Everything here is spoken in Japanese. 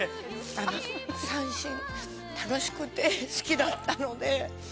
三線楽しくて好きだったのであの。